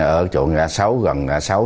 ở chỗ ngã sáu gần ngã sáu